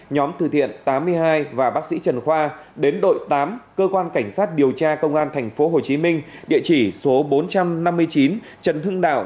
nhóm từ thiện tám mươi hai và bác sĩ trần khoa đến đội tám cơ quan cảnh sát điều tra công an tp hcm địa chỉ số bốn trăm năm mươi chín trần hưng đạo